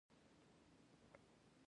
د بوټاني پوښتني